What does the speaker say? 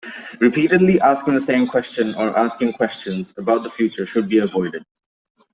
Repeatedly asking the same question or asking questions about the future should be avoided.